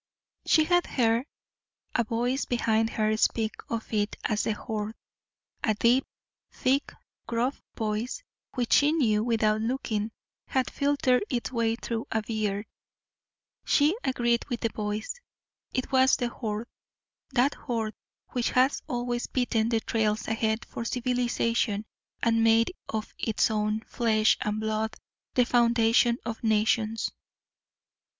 She had heard a voice behind her speak of it as "the horde" a deep, thick, gruff voice which she knew without looking had filtered its way through a beard. She agreed with the voice. It was the Horde that horde which has always beaten the trails ahead for civilization and made of its own flesh and blood the foundation of nations.